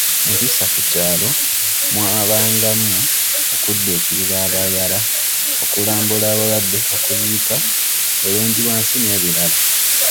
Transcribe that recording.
Empisa ku kyalo mwabangamu okudduukirira abayala, okulambula abalwadde, okuziika, bulungibwansi n'ebirala.